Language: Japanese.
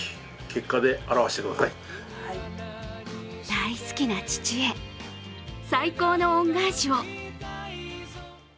大好きな父へ最高の恩返しを。